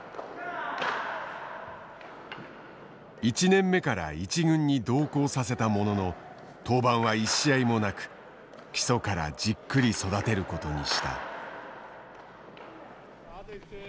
１年目から１軍に同行させたものの登板は１試合もなく基礎からじっくり育てることにした。